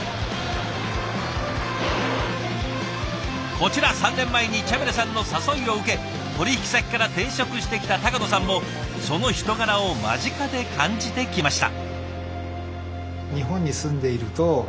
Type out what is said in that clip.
こちら３年前にチャミラさんの誘いを受け取引先から転職してきた野さんもその人柄を間近で感じてきました。